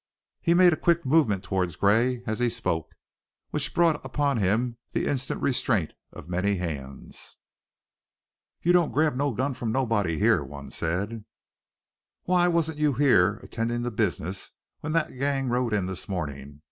He made a quick movement toward Gray as he spoke, which brought upon him the instant restraint of many hands. "You don't grab no gun from nobody here!" one said. "Why wasn't you here attendin' to business when that gang rode in this morning?"